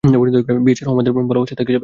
বিয়ে ছাড়াও আমাদের, প্রেম ভালোবাসা থেকে যাবে।